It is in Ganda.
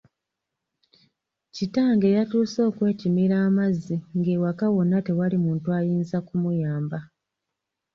Kitange yatuuse okwekimira amazzi ng'ewaka wonna tewali muntu ayinza kumuyamba.